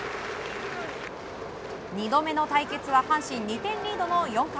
２度目の対決は阪神２点リードの４回。